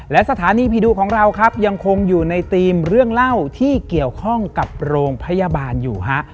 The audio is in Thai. และสถานีผีดุของเราครับยังคงอยู่ในธีมเรื่องเล่าที่เกี่ยวข้องกับโรงพยาบาลอยู่ฮะ